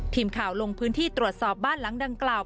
ทีมข่าวลงพื้นที่ตรวจสอบบ้านหลังดังกล่าว